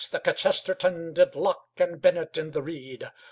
The kchesterton Did locke and bennett in the reed.